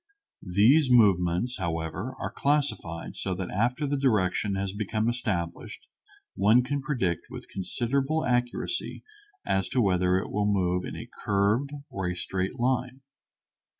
These movements, however, are classified so that after the direction has become established one can predict with considerable accuracy as to whether it will move in a curved or a straight line.